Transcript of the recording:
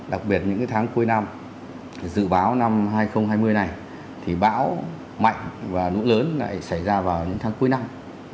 đặc biệt những tháng cuối năm dự báo năm hai nghìn hai mươi này thì bão mạnh và lũ lớn lại xảy ra vào những tháng cuối năm